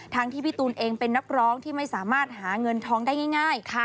ที่พี่ตูนเองเป็นนักร้องที่ไม่สามารถหาเงินทองได้ง่าย